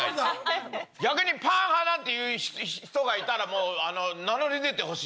逆にパン派なんて言う人がいたらもう名乗り出てほしい。